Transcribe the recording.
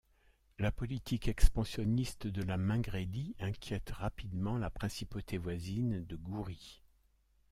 La politique expansionniste de la Mingrélie inquiète rapidement la principauté voisine de Gourie.